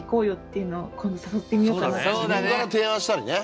自分から提案したりね。